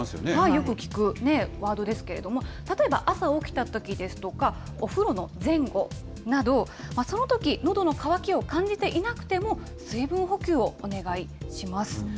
よく聞くワードですけれども、例えば、朝起きたときですとか、お風呂の前後など、そのときのどの渇きを感じていなくても、水分補給をお願いします。